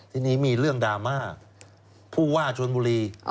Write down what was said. ทีนี้มีเรื่องดราม่าผู้ว่าชนบุรี